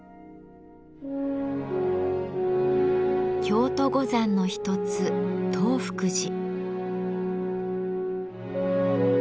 京都五山の一つ東福寺。